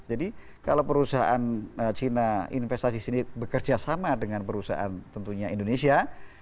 jadi kalau perusahaan china investasi sini bekerja sama dengan perusahaan tentunya indonesia